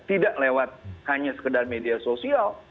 tidak lewat hanya sekedar media sosial